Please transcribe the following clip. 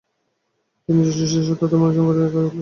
তিনি যীশুখ্রীষ্টের সত্যধর্মের অনুসরণ করিয়াও একই ফল লাভ করিলেন।